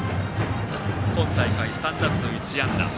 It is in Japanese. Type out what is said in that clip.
今大会、３打数１安打。